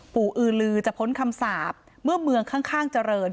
อือลือจะพ้นคำสาปเมื่อเมืองข้างเจริญ